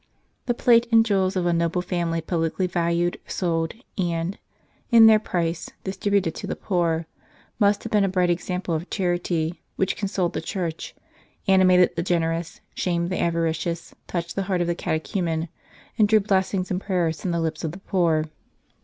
The plate and jewels of a noble family publicly valued, sold, and, in their price, distrib uted to the poor, must have been a bright example of charity, which consoled the Church, animated the generous, shamed the avaricious, touched the heart of the catechumen, and drew blessings and prayers from the lips of the poor.